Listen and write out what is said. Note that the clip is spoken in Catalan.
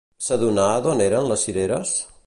S'adonà d'on eren les cireres?